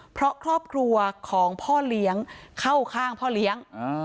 เพราะครอบครัวของพ่อเลี้ยงเข้าข้างพ่อเลี้ยง